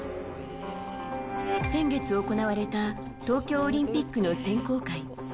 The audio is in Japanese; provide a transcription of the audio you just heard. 先月行われた東京オリンピックの選考会。